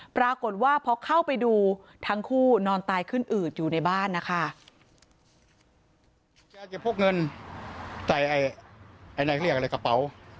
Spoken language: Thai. ปรากฏว่าพอเข้าไปดูทั้งคู่นอนตายขึ้นอืดอยู่ในบ้านนะคะ